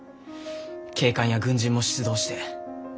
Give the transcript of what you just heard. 警官や軍人も出動して。